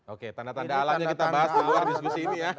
oke tanda tanda alamnya kita bahas di luar diskusi ini ya